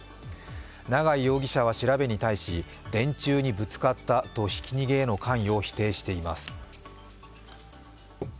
長井容疑者は調べに対し、電柱にぶつかったとひき逃げへの関与を否定しています。